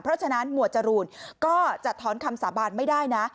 เพราะฉะนั้นหมวดจรูนก็จะถอนคำสาบานไม่ได้นะ